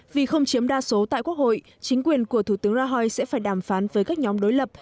vì không chiếm đa số tại quốc hội chính quyền của thủ tướng rahoi sẽ phải đàm phán với các nhóm đối lập